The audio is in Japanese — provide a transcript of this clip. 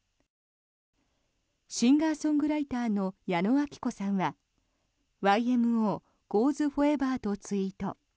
シンガー・ソングライターの矢野顕子さんは「ＹＭＯＧｏｅｓＦｏｒｅｖｅｒ．」とツイート。